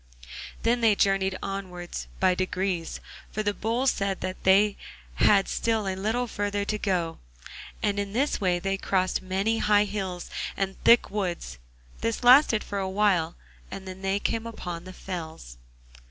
Then they journeyed onwards by degrees, for the Bull said that they had still a little farther to go, and in this way they crossed many high hills and thick woods. This lasted for a while, and then they came upon the fells.